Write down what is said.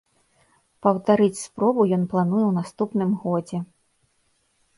Паўтарыць спробу ён плануе ў наступным годзе.